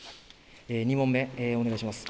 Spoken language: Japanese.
２問目お願いします。